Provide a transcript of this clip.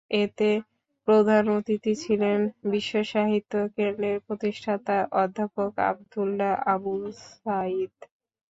এতে প্রধান অতিথি ছিলেন বিশ্বসাহিত্য কেন্দ্রের প্রতিষ্ঠাতা অধ্যাপক আবদুল্লাহ আবু সায়ীদ।